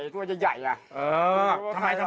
พูดเหมือนเดิมคือพูดอะไร